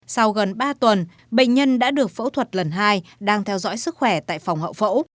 sau gần ba tuần bệnh nhân đã được phẫu thuật lần hai đang theo dõi sức khỏe tại phòng hậu phẫu